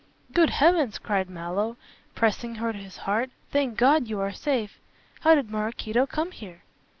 "Good heavens!" cried Mallow, pressing her to his heart, "thank God you are safe! How did Maraquito come here?"